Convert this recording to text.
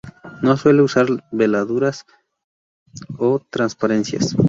No suele usar veladuras o transparencias.